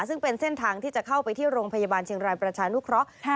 ซึ่งเป็นเส้นทางที่จะเข้าไปที่โรงพยาบาลเชียงรายประชานุเคราะห์